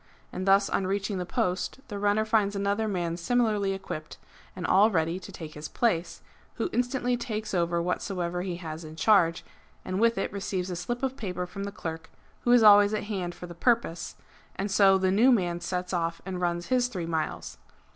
And thus on reaching the post the runner finds another man similarly equipt, and all ready to take his place, who instantly takes over whatsoever he has in charge, and with it receives a slip of paper from the clerk, who is always at hand for the purpose ; and so the new man sets off and runs his three miles.